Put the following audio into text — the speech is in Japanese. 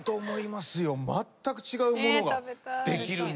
まったく違うものができる。